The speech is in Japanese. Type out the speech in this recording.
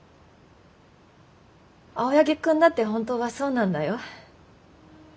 青柳君だって本当はそうなんだよ。